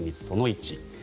その１。